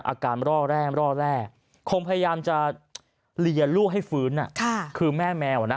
อาการร่อแร่งร่อแร่คงพยายามจะเหลียลูกให้ฟื้นคือแม่แมวนะ